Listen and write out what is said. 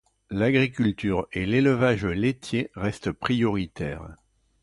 L'agriculture et l'élevage laitier restent prioritaires.